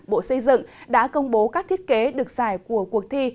bộ xây dựng đã công bố các thiết kế được giải của cuộc thi